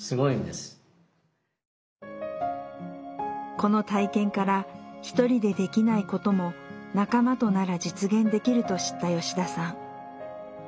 この体験から１人でできないことも仲間となら実現できると知った吉田さん。